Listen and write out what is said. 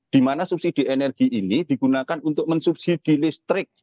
di mana subsidi energi ini digunakan untuk mensubsidi listrik